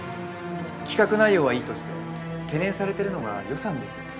企画内容はいいとして懸念されてるのが予算ですよね？